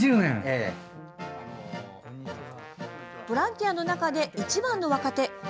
ボランティアの中で一番の若手。